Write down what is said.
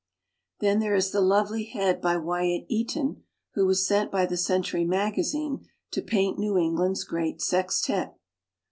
Then there is the lovely head by Wyatt Eaton who was sent by "The Century Magazine" to paint New England's great sextette.